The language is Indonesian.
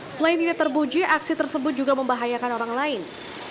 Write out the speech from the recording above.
selain tidak terpuji aksi tersebut juga membahayakan orang lain